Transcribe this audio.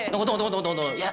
tunggu tunggu tunggu